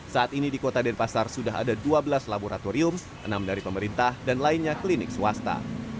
saat ini di kota denpasar sudah ada dua belas laboratorium enam dari pemerintah dan lainnya klinik swasta